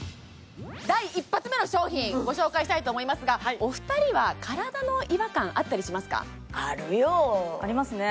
第一発目の商品ご紹介したいと思いますがお二人はあるよありますね